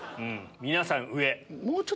皆さん上。